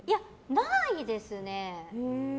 ないですね。